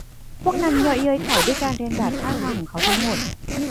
พวกนั้นเยาะเย้ยเขาด้วยการเลียนแบบท่าทางของเขาทั้งหมด